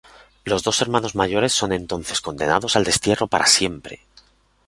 Los dos hermanos mayores son entonces condenados al destierro para siempre.